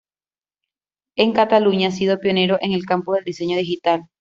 En Cataluña ha sido pionero en el campo del diseño digital.